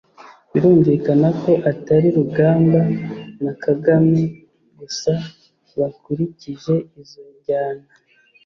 birumvikana ko atari rugamba na kagame gusa bakurikije izo njyana